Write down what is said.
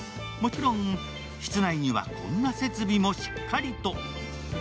もちろん、室内にはこんな設備もしっかりと。